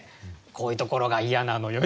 「こういうところが嫌なのよ」